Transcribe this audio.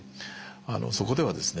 そこではですね